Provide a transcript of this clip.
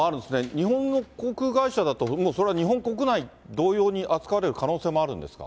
日本の航空会社だと、もうそれは日本国内同様に扱われる可能性もあるんですか。